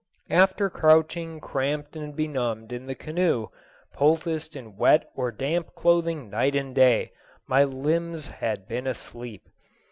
After crouching cramped and benumbed in the canoe, poulticed in wet or damp clothing night and day, my limbs had been asleep.